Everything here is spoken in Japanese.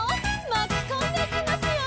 「まきこんでいきますよ」